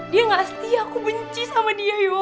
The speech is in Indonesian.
dia gak setia aku benci sama dia ya